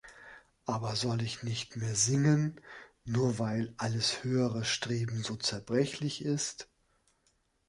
Aber soll ich nicht mehr singen, nur weil alles höhere Streben so zerbrechlich ist?